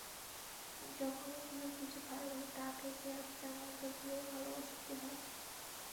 যখনই কেহ কিছু ভালবাসে, তাহাকে সেই আত্মার মধ্য দিয়াই ভালবাসিতে হয়।